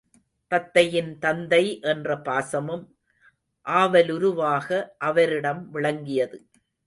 தத்தையின் தந்தை என்ற பாசமும் ஆவலுருவாக அவரிடம் விளங்கியது.